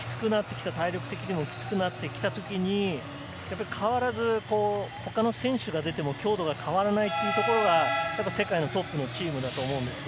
体力的にキツくなってきた時に、変わらず他の選手が出ても強度が変わらないというところが世界のトップのチームだと思いますね。